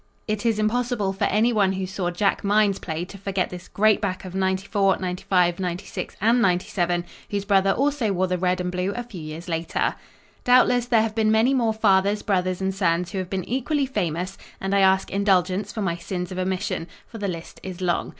It is impossible for any one who saw Jack Minds play to forget this great back of '94, '95, '96 and '97, whose brother also wore the Red and Blue a few years later. Doubtless there have been many more fathers, brothers and sons who have been equally famous and I ask indulgence for my sins of omission, for the list is long.